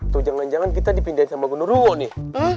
tuh jangan jangan kita dipindahin sama gondoruo nih